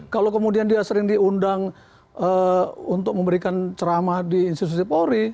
kalau kemudian dia sering diundang untuk memberikan ceramah di institusi polri